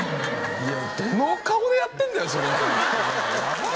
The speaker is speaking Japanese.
どの顔でやってんだよそれ！と思って。